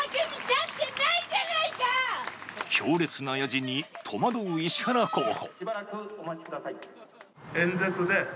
強烈なやじに戸惑う石原候補。